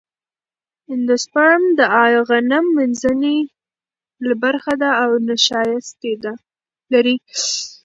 اندوسپرم د غنم منځنۍ برخه ده او نشایسته لري.